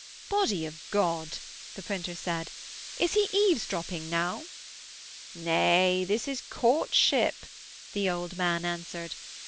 'Body of God,' the printer said, 'is he eavesdropping now?' 'Nay, this is courtship,' the old man answered.